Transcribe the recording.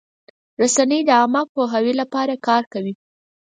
رسنۍ د عامه پوهاوي لپاره کار کوي.